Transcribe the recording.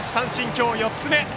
今日４つ目！